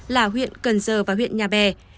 là huyện cần giờ và huyện nhà bè